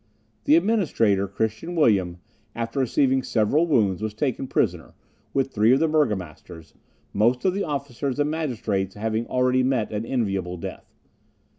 The Administrator, Christian William, after receiving several wounds, was taken prisoner, with three of the burgomasters; most of the officers and magistrates had already met an enviable death.